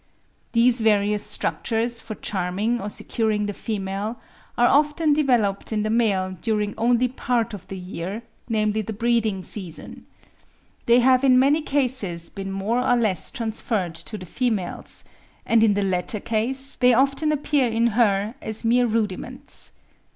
These various structures for charming or securing the female are often developed in the male during only part of the year, namely the breeding season. They have in many cases been more or less transferred to the females; and in the latter case they often appear in her as mere rudiments.